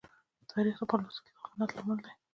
تاریخ د خپل ولس د امانت لامل دی.